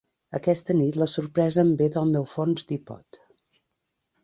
Aquesta nit la sorpresa em ve del meu fons d'ipod.